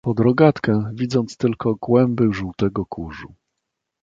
"pod rogatkę, widząc tylko kłęby żółtego kurzu."